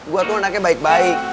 gue tuh anaknya baik baik